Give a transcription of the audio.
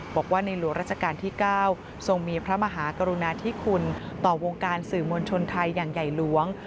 บอกว่าในหลวงราชการที่๙ทรงมีพระมหากรุณาธิคุณต่อวงการสื่อมวลชนไทยอย่างใหญ่หลวง